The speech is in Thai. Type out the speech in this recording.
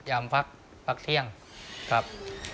อยามพักเที่ยงครับ